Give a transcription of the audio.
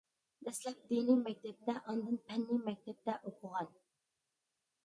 دەسلەپ دىنىي مەكتەپتە، ئاندىن پەننىي مەكتەپتە ئوقۇغان.